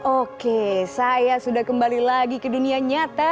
oke saya sudah kembali lagi ke dunia nyata